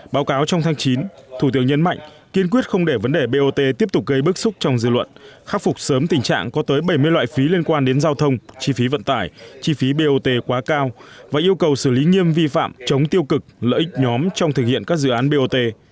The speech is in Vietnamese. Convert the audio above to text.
báo cáo trong tháng chín thủ tướng nhấn mạnh kiên quyết không để vấn đề bot tiếp tục gây bức xúc trong dự luận khắc phục sớm tình trạng có tới bảy mươi loại phí liên quan đến giao thông chi phí vận tải chi phí bot quá cao và yêu cầu xử lý nghiêm vi phạm chống tiêu cực lợi ích nhóm trong thực hiện các dự án bot